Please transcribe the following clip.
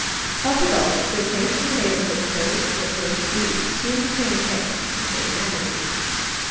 Healthy bulbs, when placed in the neighbourhood of those that were diseased, soon became affected with the same malady.